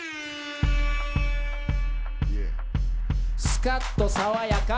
スカッと爽やか。